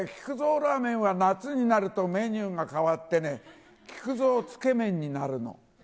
ラーメンは、夏になるとメニューが変わってね、木久蔵つけ麺になるの。